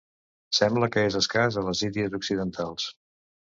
Sembla que és escàs a les Índies Occidentals.